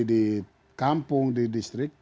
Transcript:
yang dikampung di distrik